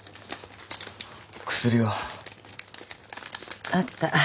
薬は？あった。